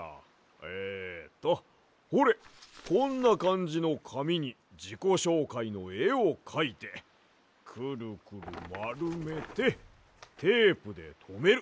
えっとほれこんなかんじのかみにじこしょうかいのえをかいてクルクルまるめてテープでとめる。